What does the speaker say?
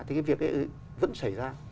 thế cái việc ấy vẫn xảy ra